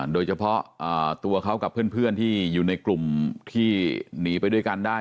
โดยเฉพาะตัวเขากับเพื่อนที่อยู่ในกลุ่มที่หนีไปด้วยกันได้